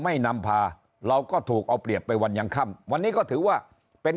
นำพาเราก็ถูกเอาเปรียบไปวันยังค่ำวันนี้ก็ถือว่าเป็น